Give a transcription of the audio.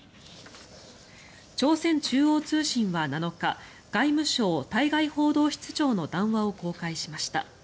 朝鮮中央通信は７日外務省対外報道室長の談話を公開しました。